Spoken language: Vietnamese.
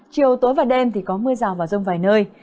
chiều tối và đêm thì có mưa rào và rông vài nơi